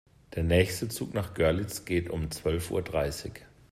Der nächste Zug nach Görlitz geht um zwölf Uhr dreißig